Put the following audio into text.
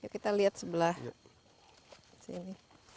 kita lihat sebelah sini